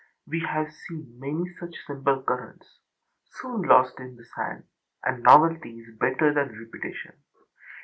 We have seen many such simple currents soon lost in the sand; and novelty is better than repetition.